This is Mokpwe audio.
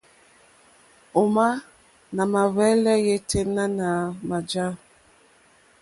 Òmá nà mà hwɛ́lɛ́ yêténá à mà jǎ.